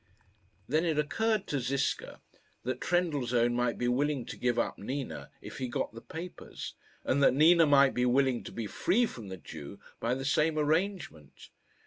Then it occurred to Ziska that Trendellsohn might be willing to give up Nina if he got the papers, and that Nina might be willing to be free from the Jew by the same arrangement.